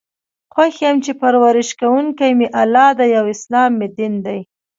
خوښ یم چې پر ورش کوونکی می الله دی او اسلام می دین دی.